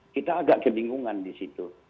kita agak kebingungan disitu